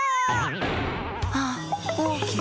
あっおおきなあな。